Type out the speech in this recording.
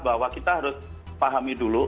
bahwa kita harus pahami dulu